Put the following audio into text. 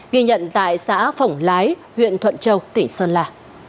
ghi nhận tại xã phổng lái huyện thuận châu tỉnh sơn la